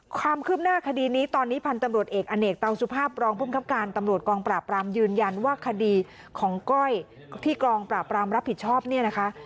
ความคืบหน้าคดีนี้ตอนนี้พันธุ์ตำรวจเอกอเนกเตาสุภาพรองภูมิครับการตำรวจกองปราบรามยืนยันว่าคดีของก้อยที่กองปราบรามรับผิดชอบเนี่ยนะคะ